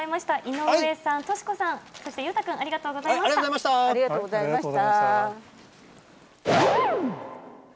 井上さん、俊子さん、そして裕太君、ありがとうございました。